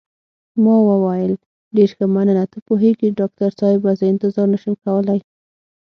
ما وویل: ډېر ښه، مننه، ته پوهېږې ډاکټر صاحبه، زه انتظار نه شم کولای.